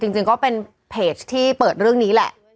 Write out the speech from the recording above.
จริงก็เป็นเพจที่เปิดเรื่องนี้แหละ